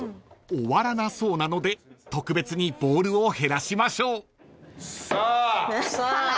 ［終わらなそうなので特別にボールを減らしましょう］さあ。